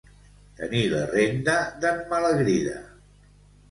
Tenir la renda d'en Malagrida.